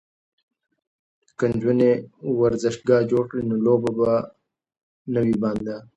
که نجونې ورزشگاه جوړ کړي نو لوبه به نه وي بنده.